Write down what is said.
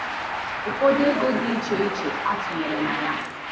ụfọdụ ego dị icheiche a tụnyere na ya